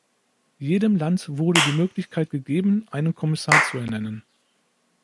Jedem Land wurde die Möglichkeit gegeben, einen Kommissar zu ernennen.